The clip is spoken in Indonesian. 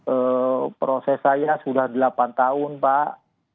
eee proses saya sudah delapan tahun pak